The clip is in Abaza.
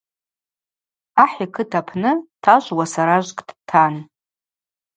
Ахӏ йкыт апны тажв уасаражвкӏ дтан.